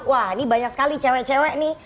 wah ini banyak sekali cewek cewek nih